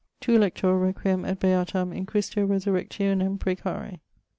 Tu, Lector, requiem et beatam in Christo resurrectionem precare.